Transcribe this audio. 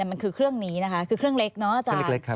มันคือเครื่องนี้นะคะคือเครื่องเล็กเนาะอาจารย์